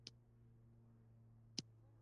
د دغه لقب د ترلاسه کولو لپاره